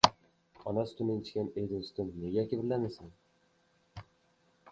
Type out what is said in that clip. • Ona sutini ichgan ey do‘stim, nega kibrlanasan?